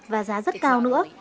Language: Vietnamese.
và giá rất cao nữa